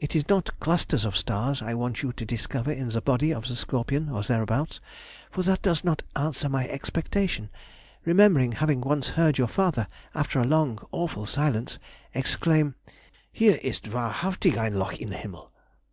It is not clusters of stars I want you to discover in the body of the Scorpion (or thereabout), for that does not answer my expectation, remembering having once heard your father, after a long awful silence, exclaim, "Hier ist wahrhaftig ein Loch im Himmel!"